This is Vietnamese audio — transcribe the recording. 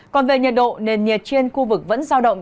còn về nhiệt độ nền nhiệt trên khu vực vẫn giao động